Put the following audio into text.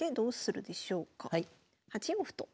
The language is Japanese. ８四歩と。